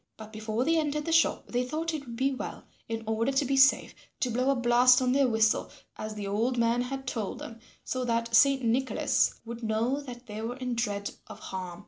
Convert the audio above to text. But before they entered the shop they thought it would be well, in order to be safe, to blow a blast on their whistle as the old man had told them so that Saint Nicholas would know that they were in dread of harm.